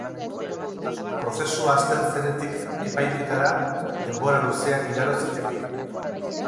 Prozesua hasten zenetik epaiketara denbora luzea igaro zitekeen.